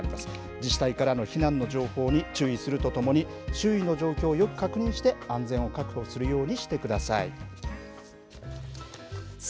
自治体からの避難の情報に注意するとともに、周囲の状況をよく確認して、安全を確保するようにしてください。